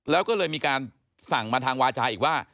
แล้วก็เลยมีการสั่งมาทางวาจาอีกว่า